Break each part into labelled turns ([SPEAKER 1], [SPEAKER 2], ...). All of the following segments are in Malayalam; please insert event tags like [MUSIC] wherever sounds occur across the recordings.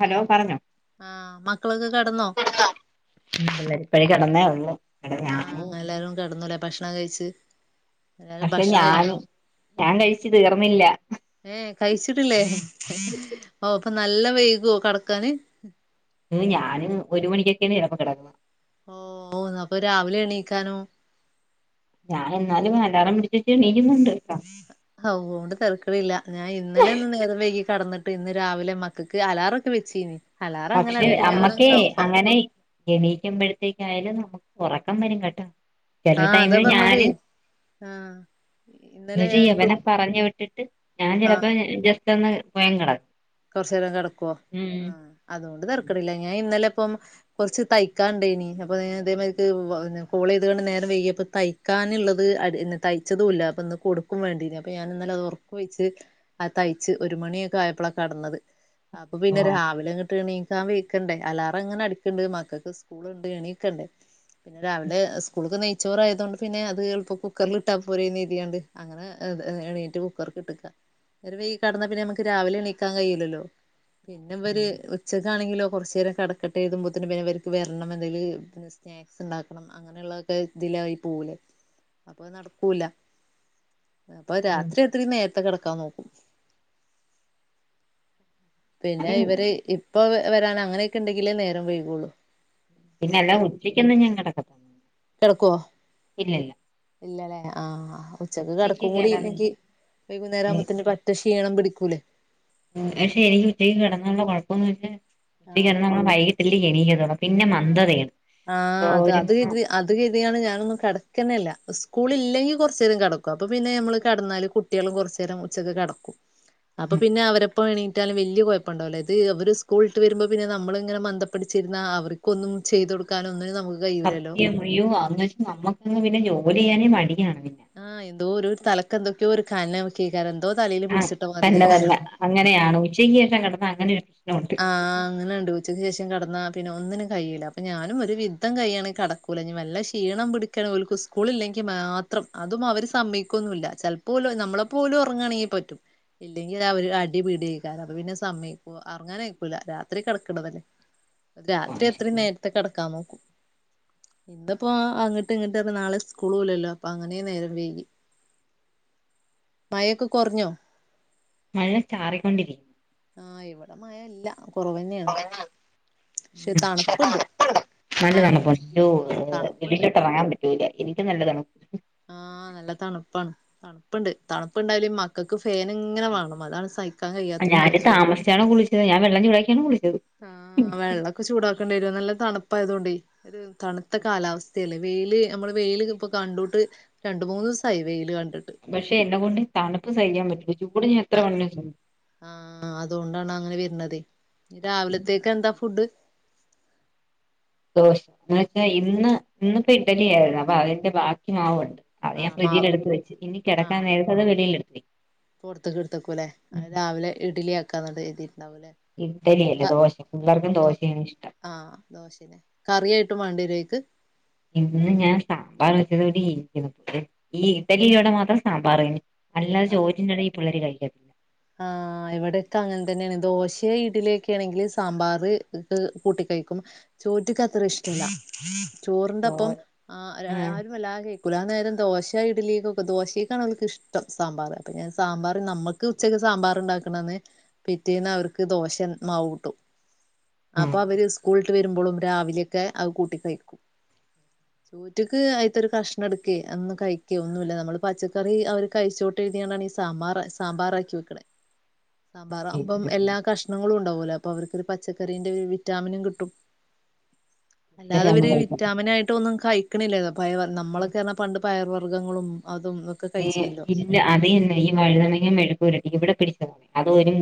[SPEAKER 1] ഹലോ പറഞ്ഞോ
[SPEAKER 2] ആഹ് മക്കളൊക്കെ
[SPEAKER 1] കെടന്നോ ഇല്ല ഇപ്പഴേ കെടന്നേടന്നേ ഉള്ളൂ ഇവിടെ ഞാനും
[SPEAKER 2] ആഹ് എല്ലാരും കെടന്നൂലേ ഭക്ഷണം കഴിച്ച് എല്ലാരും
[SPEAKER 1] പക്ഷെ
[SPEAKER 2] ഭക്ഷണം
[SPEAKER 1] ഞാന്
[SPEAKER 2] കഴിക്കണം
[SPEAKER 1] ഞാൻ കഴിച്ച് തീർന്നില്ല
[SPEAKER 2] ഏ കഴിച്ചിട്ടില്ലേ ഓഹ് അപ്പൊ നല്ല വൈകൊ കെടക്കാന്
[SPEAKER 1] ഞാന് ഒരു മണിക്കൊക്കെയാണ് ചെലപ്പം കെടക്കുന്നത്
[SPEAKER 2] ഓഹ് അപ്പൊ രാവിലെ എണീക്കാനോ
[SPEAKER 1] ഞാൻ എന്നാലും അലാറം പിടിച്ചിട്ട് എണീകിന്നിണ്ട് ട്ടോ
[SPEAKER 2] ഓഹ് അതുകൊണ്ട് തരക്കേടില്ല ഞാൻ ഇന്നലെ ഒന്ന് നേരം വൈകി കെടന്നിട്ട് ഇന്ന് രാവിലെ മക്കക്ക് അലാറൊക്കെ വെച്ചീനി അലാറം അങ്ങനെ
[SPEAKER 1] പക്ഷെ
[SPEAKER 2] അടിക്കും
[SPEAKER 1] അമ്മക്കേ
[SPEAKER 2] ഞാനങ്ങനെ ഓഫാക്കും
[SPEAKER 1] അങ്ങനെ എണീക്കുമ്പോഴത്തേക്കായാലും നമ്മക്ക് ഒറക്കം വരും കേട്ടോ ചെല
[SPEAKER 2] ആഹ് അതാ
[SPEAKER 1] ടൈമില്
[SPEAKER 2] പറഞ്ഞതേ
[SPEAKER 1] ഞാന്-
[SPEAKER 2] ആഹ്
[SPEAKER 1] എന്താ
[SPEAKER 2] ഇന്നലെ
[SPEAKER 1] ചെയ്യാ
[SPEAKER 2] ഞാന് കു
[SPEAKER 1] ഇവനെ പറഞ്ഞു വിട്ടിട്ട് ഞാൻ ചിലപ്പോ
[SPEAKER 2] ആഹ്
[SPEAKER 1] ജസ്റ്റ് ഒന്ന് പോയി അങ്ങ് കെടക്കും
[SPEAKER 2] കൊറച്ച് നേരം കെടക്കോ ആ അതോണ്ട് തരക്കേടില്ല ഞാൻ ഇന്നലെ ഇപ്പം കൊറച്ച് തൈക്കാനോണ്ടേനി അപ്പൊ ഇതേ മാതിരിക്ക് കോള് ചെയ്താണ്ട് നേരം വെയ്കിയപ്പം തൈ - ക്കാനുള്ളത് അ തൈച്ചതുല്ല അപ്പൊ ഇന്ന് കൊടുക്കും വേണ്ടിനി അപ്പൊ ഞാനത് ഒറക്കമൊഴിച് - ആ തൈച്ച് ഒരു മണിയൊക്കെ ആയപ്പളാ കെടന്നത് അപ്പൊ
[SPEAKER 1] ഓ
[SPEAKER 2] പിന്നെ രാവിലെ അങ്ങോട്ട് എണീ- ക്കാൻ വയ്ക്കണ്ടേ അലാറം അങ്ങനെ അടക്കിണ്ട് മക്കക്ക് സ്കൂളുണ്ട് എണീക്കണ്ടേ പിന്നെ രാവിലെ സ്കൂൾക് നെയ്ച്ചോറായതോണ്ട് പിന്നെ അത് എളുപ്പം കുക്കറിൽ ഇട്ടാ പോരെയെന്ന് കരുതിയണ്ട് - അങ്ങനെ എണീറ്റ് കുക്കർക്കിട്ടേക്കുവാ നേരം വെയികി കടന്നാ പിന്നെ നമ്മക്ക് രാവിലെ എണീ- ക്കാൻ കഴിയില്ലല്ലോ പിന്നെ ഇവര്- ച്ചക്ക ആണെങ്കിലോ കൊറച്ച്നേരം കെടക്കട്ടെമ്പോഴുതിക്കേണ്ട പിന്നെ അവർക്ക് വെരണമെങ്കിൽ - സ്നാക്സ് ഇണ്ടാക്കണം അങ്ങനെള്ളതൊക്കെ ഇതിലായി പോവുലെ അപ്പൊ അത് നടക്കൂല അപ്പൊ രാത്രി എത്രേയും നേരത്തെ കെടക്കാൻ നോക്കും. പിന്നെ
[SPEAKER 1] ഞാന്
[SPEAKER 2] ഇവര് ഇപ്പൊ വരാൻ അങ്ങനെയൊക്കെണ്ടെങ്കിലേ നേരം വൈകുള്ളു
[SPEAKER 1] പിന്നെ അല്ല ഉച്ചക്കൊന്നും ഞാൻ കെടക്കത്തില്ല
[SPEAKER 2] കെടക്കുവോ
[SPEAKER 1] ഇല്ലയില്ല
[SPEAKER 2] ഇല്ലല്ലേ ആഹ ആഹ് ഉച്ചക്ക് കെടക്കും കൂടി ഇല്ലെകി വൈകുന്നേരം ആവുമ്പത്തിനും പണി - ക്ഷീണം പിടിക്കൂലേ
[SPEAKER 1] പക്ഷെ എനിക്ക് ഉച്ചക്ക് കെടന്നാലുള്ള കൊഴപ്പംന്ന് വെച്ചാൽ
[SPEAKER 2] ആ
[SPEAKER 1] ഉച്ചയ്ക്ക് കെടന്ന വൈകി- ല് ഗണീയ [UNINTELLIGIBLE] ത പിന്നെ മന്ദതയാണ്.
[SPEAKER 2] ആഹ് അത് അത്
[SPEAKER 1] ഒരുമാ
[SPEAKER 2] ഇ- അത് ഗതിയാണ് ഞാനൊന്നും കെടക്കനല്ല സ്കൂളില്ലെങ്കി കൊറച്ച് നേരം കെടക്കും അപ്പൊ പിന്നെ ഞമ്മള് കെടന്നാലും കു കുട്ടിയേളും കൊർചേരം ഉച്ചക്ക് കെടക്കും അപ്പൊ പിന്നെ അവരെപ്പ എണി റ്റാലും വെല്യാ കൊഴപ്പണ്ടാവുല ഇത് ഇവർ സ്കൂൾട്ട് വെരുമ്പോ പിന്നെ നമ്മളിങ്ങനെ മന്തപ്പടിച്ചിര്ന്ന അവർക്കൊന്നും ചെയ്ത് കൊടുക് കാലോ ഒന്നിനും നമ്
[SPEAKER 1] സത്യം അയ്യൊ അവെ നമ്മക്ക്ങ് പിന്നെ ജോലി ചെയ്യാനേ മടിയാണ് പിന്നെ
[SPEAKER 2] ആഹ് എന്തോ ഒരു തലക്കെന്തൊക്കെയോ ഒരു കാനയ്ക്കക്കാരോ എന്തോ തലേല്
[SPEAKER 1] ആഹ്
[SPEAKER 2] പിടിച്ചിട്ട മാതിരി.
[SPEAKER 1] തന്നെ തന്നെ അങ്ങനെയാണ് ഉച്ചകൊക്കേ കെടന്ന അങ്ങനൊരു പ്രശ്നവുണ്ട്
[SPEAKER 2] ആഹ് അങ്ങനെ ണ്ട് ഉച്ചക്ക്ശേഷം കെട്ന്ന പിന്നെ ഒന്നിനും കൈയുല അപ്പൊ ഞാനും ഒരു വിധം കയ്യാണെങ്കി കടക്കും ലഞ് വല്ല ക്ഷീണം പിടിക്കണ ഓൽക് സ്കൂളില്ലെങ്കിൽ മാത്രം അതും അവര് സമ്മയ്കൊന്നുല്ല പോലു നമ്മളെ പോലും ഒറങ്ങാണെങ്കിൽ പറ്റും ഇല്ലെങ്കിൽ അവര് അടിപീടിയെയ്ക്കാരൊ അപൊ പിന്നെ സമ്മയ്കുവ അറങ്ങാനയികുല രാത്രി കിടക്ണതല്ലേ രാത്രി എത്രയും നേരത്തെ കെടക്കാ നോക്കും. ഇന്നിപ്പോ അങ്ങട്ട് ഇങ്ങട്ട് നാളെ സ്കൂളൂല്ലല്ലോ അപ്പൊ അങ്ങനേ നേരം വേകി മയൊക്കെ കൊർഞ്ഞോ?
[SPEAKER 1] മഴ ചാറിക്കൊണ്ടിരിക്ന്ന്
[SPEAKER 2] ആഹ് ഇവിടെ മയല്ല കുറവന്നെയാണ്.
[SPEAKER 1] ഉ
[SPEAKER 2] പക്ഷെ തണുപ്പുണ്ട്
[SPEAKER 1] നല്ലതണപ്പ
[SPEAKER 2] മഴനെക്കാട്ടിലും
[SPEAKER 1] രൂ
[SPEAKER 2] ഉം തണുപ്പുണ്ട്
[SPEAKER 1] വെളിലോട്ട് ഇറങ്ങാൻ പറ്റി എനിക്ക് നല്ലതാണ്
[SPEAKER 2] ആഹ് നല്ല തണുപ്പാണ് തണ്പ്പ്ണ്ട് തണുപ്ണ്ടായാലേ മക്കക്ക് ഫേൻങ്ങനെ വേണം അതാണ് സഹിക്കാ കഴിയാത്തരു കാര്യം.
[SPEAKER 1] അമസ്ച്ചളെ ത്തുനേ ഞൻ വെള്ളം ചുടാക്കിയാണ് കുളിക്കു
[SPEAKER 2] ആഹ് വെള്ളക്കെ ചൂടാക്കേണ്ടി വരു നല്ല തണുപ്പായതോണ്ടേയ് ഒരു തണുത്ത കാലാവസ്ഥയല്ലേ വെയില് നമ്മള് വെയില് ഇപ്പൊ കണ്ടോട്ട് രണ്ട് മൂന്ന് ദിവസായി വെയില് കണ്ടിട്ട്
[SPEAKER 1] പക്ഷെ എന്നെ കൊണ്ട് തണുപ്പ് സഹികാ പറ്റൂല ചൂട് ഞാ എത്ര വേണെൽ സഹി
[SPEAKER 2] ആഹ അതുകൊണ്ടാണ് അങ്ങനെ വെര്ണതെ രാവിലത്തേക്ക് എന്താ ഫുഡ്?
[SPEAKER 1] ദോശ എന്നന്ന് വെച്ചാ ഇന്ന് ഇന്നിപ്പോ ഇഡലി ആയിരുന്നു അപ്പൊ അതിന്റെ ബാക്കി മാവുണ്ട്. അത ഞാൻ
[SPEAKER 2] ആഹ്
[SPEAKER 1] ഫ്രിഡ്ജിൽ
[SPEAKER 2] മാവ്
[SPEAKER 1] എടുത്ത് വെച്ച് ഇനി കെടക്കാൻ നേരത് അത് വെളിൽ എടുത്തിവെയ്
[SPEAKER 2] പൊർത്ക്ക്ട്ത്തക്കൂല്ലേ അ രാവിലെ ഇഡലി ആക്കാന്നത് എഴ്തിയിട് തവൂലേ?
[SPEAKER 1] ഇഡലി അല്ല ദോശ പിള്ളേർക്കും ദോശയാണ് ഇഷ്ടം.
[SPEAKER 2] ആഹ് ദോശേനെ കറിയായിട്ടും വേണ്ടിരേക്ക്
[SPEAKER 1] ഇന്ന് ഞാൻ സാമ്പാർ വെച്ചതോടെ ഇരിക്കുന്നു ഈ ഇഡ്ഡലിയിലൂടെ മാത്രം സാമ്പാർ കഴിക്കു അല്ലാതെ ചോജിന്റെ എടെ പിള്ളേര് കഴിക്കും.
[SPEAKER 2] ആഹ് ആഹ് ആഹ് ഇവിടെക്കെ അങ്ങൻതന്നെയാണ് ദോശ ഇഡ്‌ലിലൊക്കെണെങ്കിൽ സാമ്പാറ് കൂട്ടി കയിക്കും ചോറ്റക്ക്ത്ര ഇഷ്ടല്ല
[SPEAKER 1] തോ
[SPEAKER 2] ചോറിൻ്റൊപ്പം ആഹ് ആരുമല്ലാം കൈക്കൂല അനേരം ദോശ ഇഡലിയേക്കൊക്കെ ദോശയ്ക്കാണവക്ക് ഇഷ്ട ഷ്ടം സാമ്പാറ് അപ്പൊ ഞാൻ സാമ്പാറ് നമ്മക്ക് ഉച്ചക്ക് സാമ്പാറ് ഇണ്ടാക്കണന്ന് പിറ്റേന്ന് അവർക്ക് ദോശമാവ് കൂട്ടും അപ്പൊ
[SPEAKER 1] ആഹ്
[SPEAKER 2] അവര് സ്കൂളട്ട് വരുമ്പോഴും രാവിലെയൊക്കെ അഹ് കൂട്ടി കഴിക്കു ഉച്ചക്ക് അയിത്തൊരു കഷ്ണ എടുക്ക ഒന്ന് കഴിക്ക ഒന്നൂല്ല നമ്മള് പച്ചക്കറി അവര് കഴിച്ചോട്ട് [UNINTELLIGIBLE] സാമ്പാറ് സാമ്പാറാക്കി വെക്കണെ സാമ്പാറാകുമ്പം എല്ലാ കഷ്ണ കശ്ണങ്ങളു ഉണ്ടാവൂലെ അപ്പവർക്കൊരു പച്ചക്കറിന്റെ വിറ്റാമിനും കിട്ടും അല്ലാതെ ഇവര്
[SPEAKER 1] പിള്ളേരതൊന്നും കഴിക്കത്തില്ല
[SPEAKER 2] വിറ്റാമിനായിട്ട് ഒന്നും കഴിക്കണില്ലല്ലോ പയ നമ്മളെക്കെർന്നാ പണ്ട് പയർ വർഗ്ഗങ്ങളും അതു
[SPEAKER 1] ഇല്ല അത് ഈ വഴുതനങ്ങ മെഴുക്കരട്ട് ഇവിടെ പിടിച്ചതണെ അതൊ ഒരു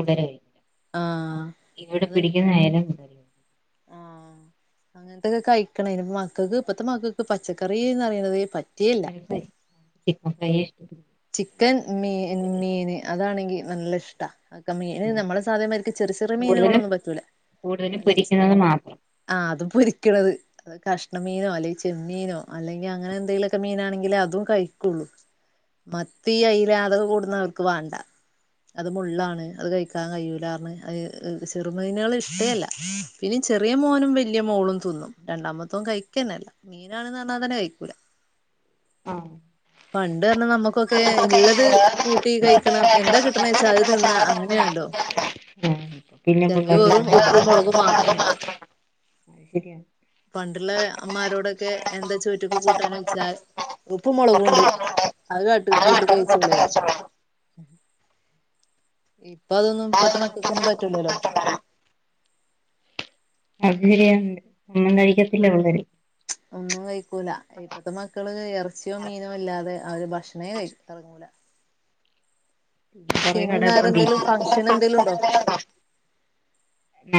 [SPEAKER 2] ആഹ്
[SPEAKER 1] ഇവിടെ
[SPEAKER 2] അതല്ല
[SPEAKER 1] പിടിക്കുന്ന നേരം
[SPEAKER 2] അങ്ങനത്തെക്കെ കഴിക്കണ ഇനി മക്കക്ക് ഇപ്പഴത്തെ മക്കക്ക് പച്ചക്കറിന്ന റയണന്നത് പറ്റിയേല്ല
[SPEAKER 1] [UNINTELLIGIBLE]
[SPEAKER 2] ചിക്കൻ മീൻ മീൻ അതാണെങ്കി നല്ല ഇഷ്ടാ മീന് നമ്മളെ സിദാമായിരിക്ക ചെറിയ ചെറിയ
[SPEAKER 1] കൂടുതലും
[SPEAKER 2] മീനുകളൊന്നും പറ്റൂല
[SPEAKER 1] കൂടുതലും
[SPEAKER 2] നല്ല
[SPEAKER 1] പൊരിക്കുന്നത് മാത്രം
[SPEAKER 2] ആഹ് അത് പൊരിക്കണത് അഹ് കഷ്ണമീനോ അല്ലെങ്കി ചെമ്മീനോ അല്ലെങ്ക അങ്ങനെന്തെലൊക്കെ മീനാണെങ്കിലെഅതും കഴിക്കുകുള്ളൂ മത്തി അയില അതക്ക കൊടുന്നവർക്ക് വാണ്ട അത് മുള്ളാണ് അത് കഴിക്കാൻ കഴൂലാന്ന് അത് ചെറുമീനുകള്ഇഷ്ടേല്ല പിന്നേ ചെറിയ മോനും വെലിയ മോളും തിന്നും രണ്ടാമത്തോൻ കഴിക്കാനല്ല. മീനാണന്ന്ർഞ്ഞാതന്നെ കഴിക്കൂല
[SPEAKER 1] ആഹ്
[SPEAKER 2] പണ്ടർഞ നമ്മ ക്കെ ഇള്ളത് കൂട്ടി കഴിക്കണം എന്താ കിട്ടണെച്ചാ അത് തിന്ന അങ്ങനെയാണല്ലോ?
[SPEAKER 1] ആഹ് പിന്നെ
[SPEAKER 2] ചെൽപ്പ
[SPEAKER 1] പിള്ളേർക്ക്
[SPEAKER 2] വെറും ഉപ്പുമുളകും മാത്രണ്ടാവൂ
[SPEAKER 1] [UNINTELLIGIBLE]
[SPEAKER 2] പണ്ടുള്ളമ്മാരോടൊക്കെ എന്താ ചോറ്റക്ക് കൂട്ടാനച്ചാൽ ഉപ്പുമുളകുണ്ട് അത് കാട്ട കൂട്ടി കയിച്ചൂലെ ഇപ്പൊ അതൊന്നും ഇപ്പത്തെ മക്കക്കൊന്നും പറ്റിലല്ലോ
[SPEAKER 1] [INAUDIBLE]
[SPEAKER 2] ഒന്നും കഴിക്കൂല ഇപ്പത്തെ മക്കള് ഇറച്ചിയോ മീനോല്ലാതെ അവര് ഭക്ഷണ [UNINTELLIGIBLE] ഇറങ്ങൂല ശനി ഞായർ എന്തേലും ഫംഗ്ഷൻ എന്തേലും ഉണ്ടോ
[SPEAKER 1] [INAUDIBLE]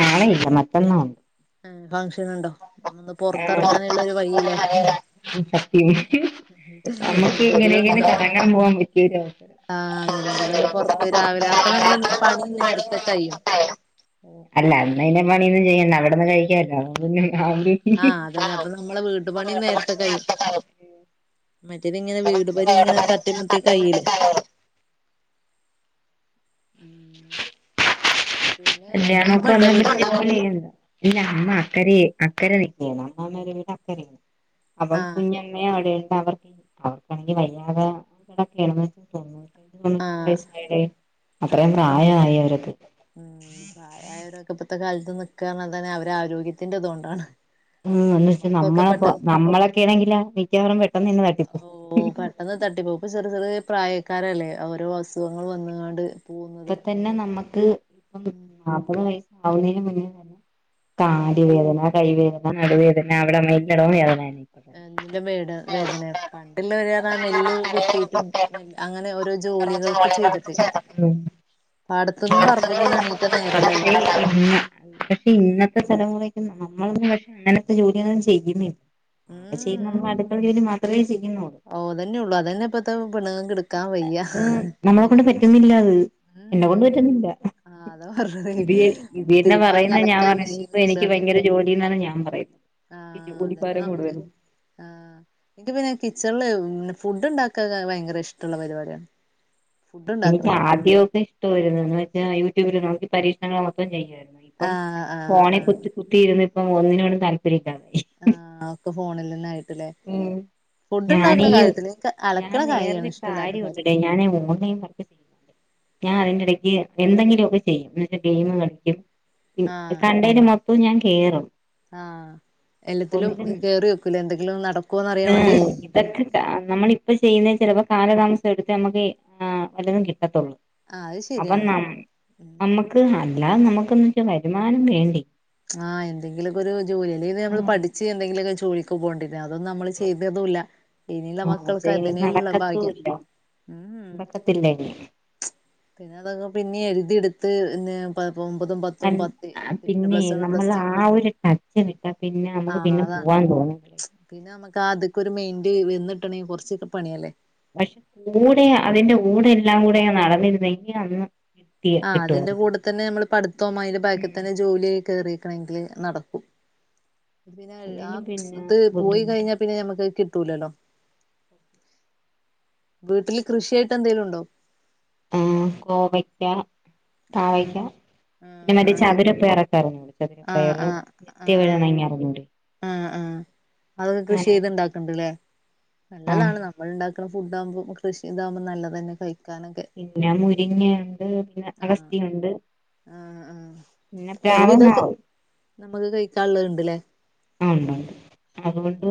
[SPEAKER 1] ആ ഇല്ല മറ്റന്നാന്നോ
[SPEAKER 2] ആ ഫംഗഷനുണ്ടോ ഒന്ന് പെറത്തറങ്ങാനുള്ളരു വഴില്ലേ
[SPEAKER 1] നമ്മക്കിങ്ങനെ ഇങ്ങനെ
[SPEAKER 2] ഉണ്ടോ
[SPEAKER 1] കറങ്ങാൻ പോവാൻ പറ്റ [UNINTELLIGIBLE]
[SPEAKER 2] ആഹ് അങ്ങനെങ്കിലുംഒന്ന് പെറത്ത് രാവിലെ അപ്പൊ നമ്മള പണി നേരത്തെ കയ്യും
[SPEAKER 1] അല്ല ഇന്ന് അയിന് പണിയൊന്നു ചെയ്യണ്ട അവിടെന്ന് കഴിക്കാലോ
[SPEAKER 2] ആഹ് അതന്നെ അപ്പൊ നമ്മളെ വീട്ടുപണി നേരത്തെ കയ്യും മറ്റേത് ഇങ്ങനെ വീടുപണി ഇങ്ങനെ തട്ടിമുട്ടി കയ്യില് പിന്നെ
[SPEAKER 1] [UNINTELLIGIBLE]
[SPEAKER 2] അമ്മ ഇണ്ടോ വീട്ടില്
[SPEAKER 1] ഇല്ല അമ്മ അക്കര അക്കര നിക്കയാണ് അമ്മമ്മാരെ വീട് അക്കരയാ അപ്പം കു
[SPEAKER 2] ആഹ്
[SPEAKER 1] അമ്മ അവിടെണ്ട് അവർക്ക് വയ്യാതെടക്കണെന്ന് [UNINTELLIGIBLE]
[SPEAKER 2] ആഹ്
[SPEAKER 1] [UNINTELLIGIBLE] അത്രയു പ്രായായി അവരൊക്കെ
[SPEAKER 2] പ്രായയവരൊക്കെ ഇപ്പഴത്തെ കാലത്ത് നിക്കാ നർഞ്ഞാല് തന്നെ അവരെ ആരോഗ്യത്തിന്റെ ഇതുകൊണ്ടാണ്
[SPEAKER 1] ഉം എന്ന വെച്ചാ
[SPEAKER 2] നമ്മൾക്കൊക്കെ
[SPEAKER 1] നമ്മളെപ്പോ
[SPEAKER 2] പെട്ടെന്ന്
[SPEAKER 1] നമ്മളൊക്കെ ആണെങ്കിൽ മിക്കവാറും പെട്ടെന്നന്നെ തട്ടിപ്പോ
[SPEAKER 2] ഇന്ന് തട്ടിപ്പോക്ക് ചെറ് ചെറിയ പ്രായക്കാരല്ലേ ഓരോ അസുഖങ്ങള് വന്നങ്ങാണ്ട്
[SPEAKER 1] ഇപ്പ തന്നെ നമ്മക്ക് ഇപ്പം
[SPEAKER 2] ഉം
[SPEAKER 1] നാപത് വയസ ആവുന്നയിന് മുന്നേ തന്നെ
[SPEAKER 2] ഉം
[SPEAKER 1] താടിവേദന കൈവേദന നടുവേദന അവിടെല്ലിടവും വേദന
[SPEAKER 2] [UNINTELLIGIBLE] പണ്ടുള്ള വേദനആ നെല്ലൊക്കെ കുത്തീട്ട അങ്ങനെ ഓരോ ജോലികൾക്ക് ചെയ്തിട്ട്
[SPEAKER 1] ഉം
[SPEAKER 2] പാടത്തൊന്നും പറമ്പനൊന്നും എണീക്ക
[SPEAKER 1] പക്ഷെ
[SPEAKER 2] നേരല്ലല്ലോ
[SPEAKER 1] [UNINTELLIGIBLE] പക്ഷെ ഇന്നത്തെ തലമുറയ്ക്ക് നമ്മളൊന്നും പക്ഷെ അങ്ങനത്തെ ജോലിയന്നും ചെയ്യുന്നില്ല.
[SPEAKER 2] ഉം
[SPEAKER 1] പക്ഷേ ചെയ്യുന്നത്. നമ്മള് അടുക്കുള്ള ജോലി മാത്രമേ ചെയ്യുന്നുള്ളൂ.
[SPEAKER 2] ഓ അതന്നെ ഉള്ളൂ അതന്നെ ഇപ്പത്തെ പെണുങ്ങൾക്ക് എടു
[SPEAKER 1] നമ്മളെ കൊണ്ട് പറ്റുന്നില്ല. അത് എന്നെ
[SPEAKER 2] ഉം
[SPEAKER 1] കൊണ്ട് പറ്റുന്നില്ല.
[SPEAKER 2] ആഹ് അതാ പറഞ്ഞത്
[SPEAKER 1] ഇി ഇബിന്നെ
[SPEAKER 2] തിരുമ്പാൻ
[SPEAKER 1] പറയുന്ന ഞാൻ
[SPEAKER 2] അലക്കാൻ
[SPEAKER 1] പറയ ഇ
[SPEAKER 2] മെഷീൻക്ക്
[SPEAKER 1] എനിക്ക്
[SPEAKER 2] ഇടാണ്
[SPEAKER 1] ഭയങ്കര ജോലി എന്നാണ്, ഞാൻ പറയും. ജോലിക്കാരാ കുടുതല്.
[SPEAKER 2] ആ എനിക്ക് പിന്നെ കിച്ചണില് ഫുഡ് ഉണ്ടാക്കാ ഭയങ്കര ഇഷ്ടമുള്ള പരിപാടിയാണ്. ഫുഡ് ഉണ്ടാക്കണ
[SPEAKER 1] എനിക്ക് ആദ്യമൊക്കെ ഇഷ്ടമായിരുന്നു. എന്നു വെച്ചാൽ യൂട്യൂബിൽ നോക്കി പരീക്ഷണങ്ങൾ മൊത്തം ചെയ്യുമായിരുന്നു. ഇപ്പം
[SPEAKER 2] ആഹ് ആഹ്
[SPEAKER 1] ഫോണിൽ
[SPEAKER 2] ആഹ്
[SPEAKER 1] കുത്തി കുത്തിയിരുന്ന് ഇപ്പം ഒന്നിനോടും താല്പര്യാമില്ലാതെ ആയി.
[SPEAKER 2] ആഹ ഒക്കെ ഫോണിൽ നിന്നായിട്ടല്ലേ.
[SPEAKER 1] ഉം
[SPEAKER 2] ഫുഡ്
[SPEAKER 1] ഞാൻ
[SPEAKER 2] ഉണ്ടാക്കുന്ന
[SPEAKER 1] ഈ
[SPEAKER 2] കാര്യത്തിൽ എനിക്ക് അലക്കണ
[SPEAKER 1] വേറൊരു
[SPEAKER 2] കാര്യായാണ് ഇഷ്ടമല്ലാത്തത്-
[SPEAKER 1] കാര്യമുണ്ടെടേ ഞാൻ ഓൺലൈൻ വർക്ക് ചെയ ഞാൻ അതിന്റെ ഇടയ്ക്ക് എന്തെങ്കിലുമൊക്കെ ചെയ്യും എന്നിട്ട് ഗെയിം കളിക്കും.
[SPEAKER 2] ആഹ്
[SPEAKER 1] കണ്ടേന് മൊത്തവും ഞാൻ കേയറും.
[SPEAKER 2] ആഹ് എല്ലാത്തിലും കേറി നോക്കുല്ലേ എന്തെങ്കിലും നടകു
[SPEAKER 1] ഉം ഇതക്ക നമ്മളിപ്പ ചെയ്യുന്നേ ചിലപ്പോ കാലതാമസം എടുത്ത് നമുക്ക് വല്ലതും കിട്ടത്തുള്ളൂ.
[SPEAKER 2] ആഹ് അത്
[SPEAKER 1] അപ്പൊ
[SPEAKER 2] ശരിയാണ്
[SPEAKER 1] ന നമ്മുക്ക് അല്ലാതെ നമുക്ക്ന്ന് വരുമാനം വേണ്ടേ?.
[SPEAKER 2] ആ എന്തെങ്കിലൊക്കെ ഒരു ജോലി അല്ലങ്കിൽ നമ്മള്
[SPEAKER 1] ആഹ്
[SPEAKER 2] പഠിച്ച് എന്തെിലൊക്കെ ജോലിക്ക് പോകേണ്ടി വരും. ആഹ് അതും നമ്മള് ചെയ്തതു ഇല്ല. ഇനുയുള്ള മക്കൾക്ക്
[SPEAKER 1] പക്ഷേ ഇനി
[SPEAKER 2] അതിനേള്ളു ഭാഗ്യം. ഉം.
[SPEAKER 1] ത്തില്ലല്ലേ
[SPEAKER 2] പിന്നെ അതൊക്കെ പിന്നെ എഴുതി എടുത്ത് പിന്നെ
[SPEAKER 1] പിന്നെ
[SPEAKER 2] പ്ലസ് വൺ
[SPEAKER 1] നമ്മൾ
[SPEAKER 2] പ്ലസ് ടു
[SPEAKER 1] ആഹ് ഒരു ടച്ച് വിട്ടാൽ പിന്നെ നമുക്ക്
[SPEAKER 2] ആഹ്
[SPEAKER 1] പിന്നെ
[SPEAKER 2] അതാണ്
[SPEAKER 1] പോവാൻ തോന്നും.
[SPEAKER 2] പിന്നെ നമുക്ക് ആഹ് അതൊക്കെ ഒരു മെയിന്റ വന്നിട്ടണെങ്കിൽ കൊറച്ചൊക്കെ പണിയല്ലേ?
[SPEAKER 1] പക്ഷെ കൂടെ അതിൻന്റെ കൂടെ എല്ലാം കൂടെ ഞാൻ നടന്നിരുന്നു എ അന്ന് കിട്ടിയ
[SPEAKER 2] ആഹ് അതിന്റെ
[SPEAKER 1] കിട്ടുവായിരുന്നു
[SPEAKER 2] കൂടെ തന്നെ നമ്മൾ പഠത്തോം അതില ബാക്കി
[SPEAKER 1] ഉം
[SPEAKER 2] തന്നെ ജോലിയും കേറിയിക്കണെങ്കില് നടക്കും. പിന്നെ
[SPEAKER 1] അല്ലെങ്കിൽ
[SPEAKER 2] ആഹ്
[SPEAKER 1] പിന്നെ
[SPEAKER 2] ഇത് പോയി
[SPEAKER 1] ബുദ്ധിമുട്ട്
[SPEAKER 2] കഴിഞ്ഞ പിന്നെ നമുക്ക് കിട്ടൂലല്ലോ വീട്ടില് കൃഷിയായിട്ട് എന്തെങ്കിലും ഉണ്ടോ?
[SPEAKER 1] ആഹ് കോവക്ക.
[SPEAKER 2] ആഹ്
[SPEAKER 1] പാവയ്ക്ക,
[SPEAKER 2] ആഹ്
[SPEAKER 1] പിന്നെ
[SPEAKER 2] അത്
[SPEAKER 1] ചതുരപ്പയർ ഇറക്കാറന്നൂ
[SPEAKER 2] ആഹ്
[SPEAKER 1] ചതുരപ്പയർ നിത്യ വേള എന്നറിഞ്ഞുടെ?
[SPEAKER 2] ആ ആ അതൊക്കെ കൃഷി ചെയ്ത് ഇണ്ടാക്കണ്ട്ല്ലേ?
[SPEAKER 1] ആ
[SPEAKER 2] നല്ലതാണ് ന നമ്മൾ ഉണ്ടാക്കുന്ന ഫുഡ് ആകുമ്പോ കൃഷി ഇതാവുമ്പോ നല്ലതെന്ന് കഴിക്കാൻ
[SPEAKER 1] പിന്നെ മുരിങ്ങയുണ്ട് പിന്നെ
[SPEAKER 2] ആഹ്
[SPEAKER 1] അഗസ്ത്യയുണ്ട്
[SPEAKER 2] ആഹ് ആഹ് ഒരുവിധക്കെ
[SPEAKER 1] മാവ്
[SPEAKER 2] നമ്മുക്ക് കഴിക്കാുള്ളത്ണ്ട്ല്ലേ?
[SPEAKER 1] ആഹ് ഉണ്ട് ഉണ്ട് അതുകൊണ്ട്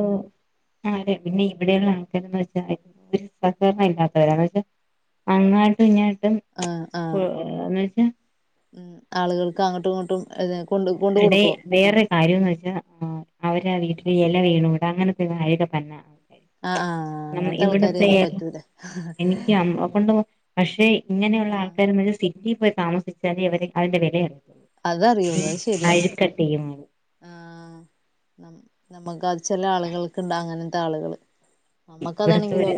[SPEAKER 1] ആഹ് അതെ പിന്നെ ഇവിടെയുള്ളള്ള ആൾക്കാരന്ന് വെച്ചാൽ ഒരു സഹകരണം ഇല്ലാത്തവരാ വച്ചാ അങ്ങാട്ടും ഇങ്ങായിട്ടും
[SPEAKER 2] ആഹ് ആഹ്
[SPEAKER 1] എന്നന്ന് വെച്ചാ
[SPEAKER 2] ഉം ആളുകൾക്ക് അങ്ങോട്ടും ഇങ്ങോട്ടും കൊണ്ട് കൊണ്ട്
[SPEAKER 1] എടെ
[SPEAKER 2] കൊടുക്കുവോ
[SPEAKER 1] വേറെ കാര്യംന്ന് വെച്ചാ അവരുടെ
[SPEAKER 2] ഉം
[SPEAKER 1] വീട്ടില് ഇല വീണുകൂട അങ്ങനത്തെ കാര്യകെ തന്നെ
[SPEAKER 2] ആഹ് ആഹ്
[SPEAKER 1] ന
[SPEAKER 2] അങ്ങനത്തെ
[SPEAKER 1] ഇവിടത്തെ
[SPEAKER 2] ആൾക്കാരെയൊന്നും പറ്റൂല
[SPEAKER 1] എനിക്ക് അമ്മ കൊണ്ട് പക്ഷെ ഇങ്ങനെയുള്ള
[SPEAKER 2] ആഹ്
[SPEAKER 1] ആൾക്കാര് സിറ്റിയിൽ പോയി താമസിച്ചാലേ അവര് അതിന്റെ വിലയേറിയ
[SPEAKER 2] അതറിയുള്ളു അത് ശരിയാണ്. ആഹ് നമുക്കത് ചില ആളുകൾക്ക് ഉണ്ട് അങ്ങനത്തെ ആളുകൾ-
[SPEAKER 1] ഇവിടത്തെരു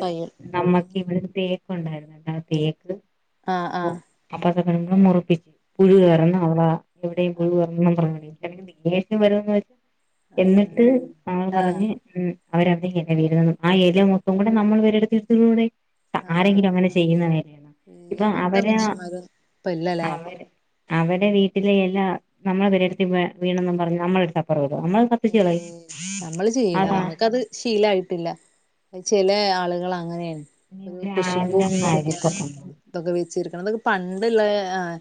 [SPEAKER 1] നമ്മക്ക് ഇവിടു തേക്ക് ഉണ്ടായിരുന്നുണ്ട് ആ തേക്ക്
[SPEAKER 2] ആഹ് ആഹ്
[SPEAKER 1] അപ്പൊതൊക്ക മുറിപ്പിച്ച് പുഴ
[SPEAKER 2] ആഹ്
[SPEAKER 1] കറന്ന് അവള എവിടെേയും പോയി [UNINTELLIGIBLE] എന്നിട്ട് അവൾ
[SPEAKER 2] ആഹ് ആഹ്
[SPEAKER 1] പറഞ്ഞ് ഉം അവരങ്ങനെ വര.. ആഹ് ഏല മൊത്തം കൂടെ നമ്മൾ വരെടുത്തിടുത്തൂകുടെ- ആരെങ്കിലും അങ്ങനെ
[SPEAKER 2] ആഹ്
[SPEAKER 1] ചെയ്യുന്ന വരെയണോ
[SPEAKER 2] ഈ
[SPEAKER 1] ഇപ്പൊ
[SPEAKER 2] അങ്ങനത്തെ
[SPEAKER 1] അവര്
[SPEAKER 2] മനുഷ്യന്മാര് ഇപ്പ ഇല്ലല്ലേ
[SPEAKER 1] അവര് അവവിടെ വീട്ടിലെ എല്ലാം നമ്മളെ പരിടുത്തി വീണെന്നും പറഞ്ഞ് നമ്മള എടുത്തപ്പറവ നമ്മൾ
[SPEAKER 2] ഏഹ് നമ്മള് ചെയില നമുക്കത് ശീലായിട്ടില്ല ചില ആളുകൾ അങ്ങനെണ്. ഒരു കുശ്ബു
[SPEAKER 1] അങ്ങനെയുള്ള
[SPEAKER 2] ഇതൊക്കെ വെച്ചിരിക്കണം ഇതൊക്കെ പണ്ടുള്ള ആഹ്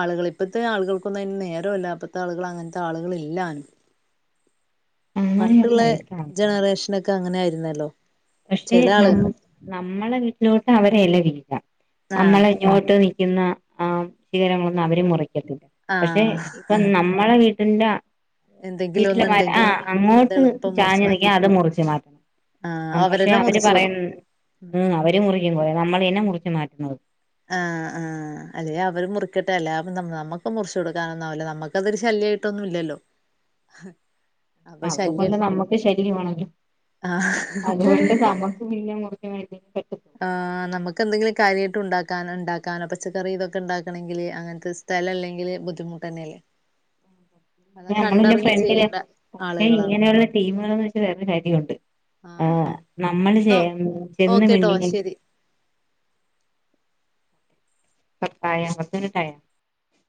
[SPEAKER 2] ആളുകൾ ഇപ്പത്തെ ആളുകൾക്കൊന്നും അയിന് നേരല്ല ഇപ്പഴത്തെ ആളുകൾ അങ്ങനത്തെ ആളുകൾ ഇല്ലാനും പണ്ടുള്ള ജനറേഷനൊക്കെ അങ്ങനെ ആയിരുന്നല്ലോ?
[SPEAKER 1] പക്ഷെ
[SPEAKER 2] ചില ആളുകൾ
[SPEAKER 1] നമ്മ നമ്മളെ വീട്ടിലോട്ട് അവരെ എല വീഴാം
[SPEAKER 2] ആഹ്
[SPEAKER 1] നമ്മളെ ഇങ്ങോട്ട് നിൽക്കുന്ന ആ ശിഖരങ്ങളൊന്നും അവര് മുറിക്കത്തില്ല പക്ഷെ
[SPEAKER 2] ആഹ്
[SPEAKER 1] ഇപ്പം നമ്മളെ വീ. ഇല്ല
[SPEAKER 2] എന്തെങ്കിലും
[SPEAKER 1] വീട്ടിലെ മാര ആ
[SPEAKER 2] ഒന്നുണ്ടെങ്കി അത്
[SPEAKER 1] അങ്ങോട്ട്
[SPEAKER 2] എളുപ്പം മുറിച്ചു
[SPEAKER 1] ചാഞ്ഞ് നിക്ക
[SPEAKER 2] മാറ്റണം
[SPEAKER 1] അത് മുറിച്ച് മാറ്റണം
[SPEAKER 2] ആഹ്
[SPEAKER 1] മ്മ പക്ഷെ
[SPEAKER 2] അവരന്നെ
[SPEAKER 1] അവര് പറ
[SPEAKER 2] മുറിച്ചുവോ
[SPEAKER 1] യുംഅവര് മുറിക്കും കൊറെ നമ്മളെ ന്നെ മുറിച്ചു മാറ്റുന്നത്
[SPEAKER 2] ആഹ് ആഹ് അല്ലേ അവര് മുറിക്കട്ടെ. അല്ലാ തപ്പം നമ്മക്ക് മുറിച്ചു കൊടുക്കാനൊന്നാവില്ല നമ്മക്ക് അതരു ശല്യയിട്ടൊന്നുല്ലല്ലോ [INAUDIBLE]
[SPEAKER 1] അതുകൊണ്ട് നമ്മുക്ക് ശരിമാണല്ലോ
[SPEAKER 2] ആഹ്
[SPEAKER 1] അതുകൊണ്ട് സമ. ക്ക് മിണിങ്യാ നുറുക്കാനായിട്ട് ഇപ്പെത്തും
[SPEAKER 2] ആഹ്. നമക്ക് എന്തെങ്കിലും കാര്യായിട്ട് ഉണ്ടാക്കാന ഉണ്ടാക്കാനോ പച്ചക്കറി ബതൊക്കെ ഇണ്ടാക്കണങ്കില് അങ്ങനത്തെ [UNINTELLIGIBLE] തലല്ലെങ്കില് ബുദ്ധിമുട്ടന്നെയല്ലേ
[SPEAKER 1] നമ്മളിന്റെ ഫ്രണ്ടില. പക്ഷെ
[SPEAKER 2] ആളുകളാണ്
[SPEAKER 1] ഇങ്ങനെഉള്ള ടീമുകളന്ന് വെച്ച വേറെ ഒര് കാര്യവുണ്ട് ആഹ് നമ്മള് ചെ
[SPEAKER 2] ന്നോ
[SPEAKER 1] ചെന്ന്
[SPEAKER 2] ഓക്കേട്ടോ
[SPEAKER 1] മിണ്ടീ. [UNINTELLIGIBLE]
[SPEAKER 2] ശരി
[SPEAKER 1] പപ്പായ [UNINTELLIGIBLE]